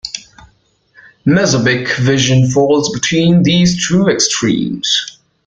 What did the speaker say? Mesopic vision falls between these two extremes.